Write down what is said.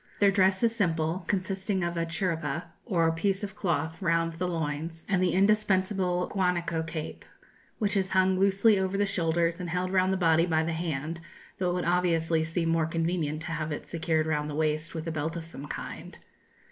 Their dress is simple, consisting of a 'chiripa' or piece of cloth round the loins, and the indispensable guanaco cape, which is hung loosely over the shoulders and held round the body by the hand, though it would obviously seem more convenient to have it secured round the waist with a belt of some kind.